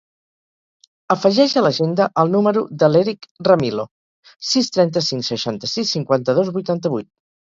Afegeix a l'agenda el número de l'Erick Ramilo: sis, trenta-cinc, seixanta-sis, cinquanta-dos, vuitanta-vuit.